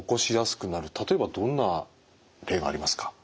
例えばどんな例がありますか？